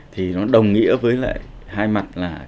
thì nó đồng nghĩa với hai mặt là